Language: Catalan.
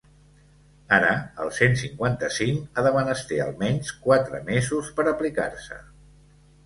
Ara, el cent cinquanta-cinc ha de menester almenys quatre mesos per a aplicar-se.